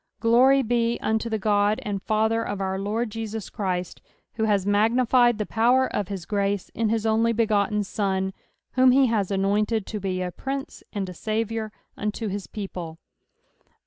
Glory be unto the God and Father of our Lord Jesus Christ, who has magnified the power of bis grace in his only begotten Sou, whom he has anointed to be a Prince and a Saviour unto his people.